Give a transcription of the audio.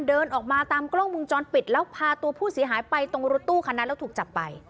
เดินออกมาตามกล้องวงจรปิดแล้วพาตัวผู้เสียหายไปตรงรถตู้คันนั้นแล้วถูกจับไป